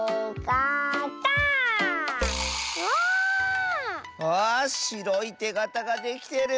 わしろいてがたができてる！